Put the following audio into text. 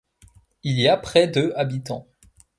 Il y a près de habitants.